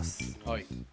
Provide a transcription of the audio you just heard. はい。